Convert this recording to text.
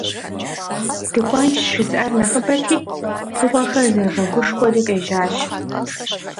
«ДыкӀуэнщ» жызыӀэр нэхъыбэти, дзыгъуэхэр зэрыгъэгушхуэри къежьащ.